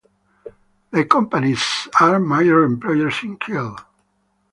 The companies are major employers in Kiel.